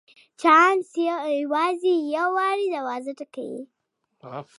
چانس یوازي یو وار دروازه ټکوي .